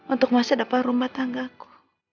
untuk masa dapat rumah tangga ku